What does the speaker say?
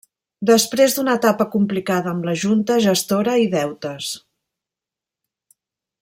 Després d'una etapa complicada amb la junta gestora i deutes.